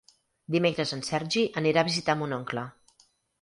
Dimecres en Sergi anirà a visitar mon oncle.